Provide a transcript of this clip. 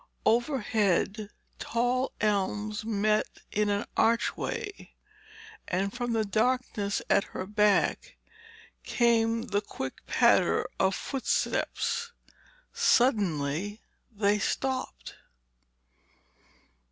Overhead, tall elms met in an archway, and from the darkness at her back came the quick patter of footsteps. Suddenly they stopped.